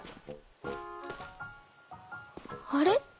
「あれ？